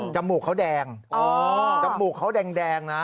มูกเขาแดงจมูกเขาแดงนะ